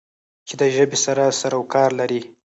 چې د ژبې سره سرو کار لری